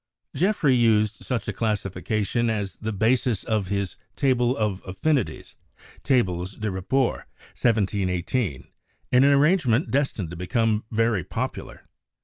Geoffroy used such a classification as the basis of his tables of affinities, 'Tables des Rapports' (1718), an ar rangement destined to become very popular.